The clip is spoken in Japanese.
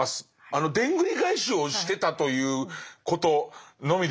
あのでんぐり返しをしてたということのみでございます。